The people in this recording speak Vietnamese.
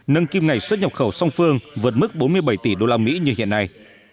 nâng kim ngạch xuất nhập khẩu song phương vượt mức bốn mươi bảy tỷ usd như hiện nay